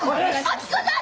晃子さん